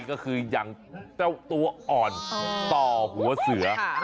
ก็คืออย่างเจ้าตัวอ่อนต่อหัวเสือ